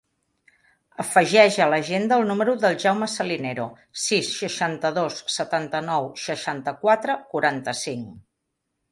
Afegeix a l'agenda el número del Jaume Salinero: sis, seixanta-dos, setanta-nou, seixanta-quatre, quaranta-cinc.